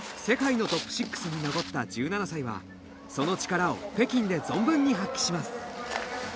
世界のトップ６に残った１７歳はその力を北京で存分に発揮します。